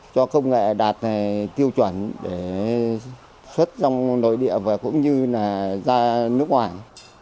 cho công nghệ đạt tiêu chuẩn để xuất trong nội địa và cũng như là ra nước ngoài